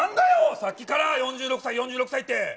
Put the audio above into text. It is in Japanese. さっきから、４６歳、４６歳って。